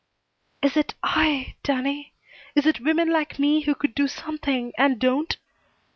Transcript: "Is it I, Danny? Is it women like me who could do something and don't?"